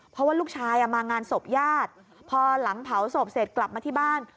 เพราะว่าลูกชายมางานศพญาติพอหลังเผาศพเสร็จกลับมาที่บ้าน